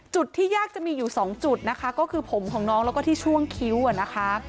ที่ยากจะมีอยู่๒จุดนะคะก็คือผมของน้องแล้วก็ที่ช่วงคิ้วนะคะ